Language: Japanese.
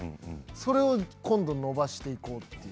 それを今度伸ばしていくという。